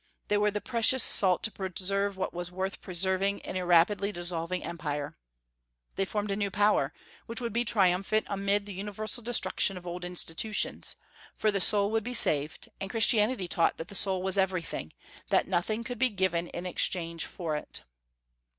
They were the precious salt to preserve what was worth preserving in a rapidly dissolving Empire. They formed a new power, which would be triumphant amid the universal destruction of old institutions; for the soul would be saved, and Christianity taught that the soul was everything, that nothing could be given in exchange for it.